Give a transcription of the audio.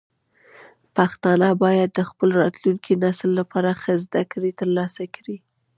پښتانه باید د خپل راتلونکي نسل لپاره ښه زده کړې ترلاسه کړي.